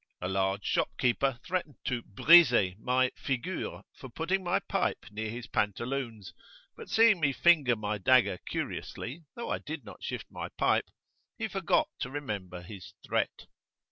A large shopkeeper threatened to "briser" my "figure" for putting my pipe near his pantaloons; but seeing me finger my dagger curiously, though I did not shift my pipe, he forgot to remember his threat.